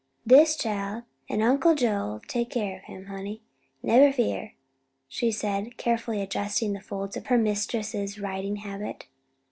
"Dis chile an' Uncle Joe'll take care of him, honey, neber fear," she said, carefully adjusting the folds of her mistress's riding habit.